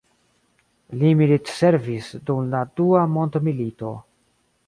Li militservis dum la Dua Mondmilito.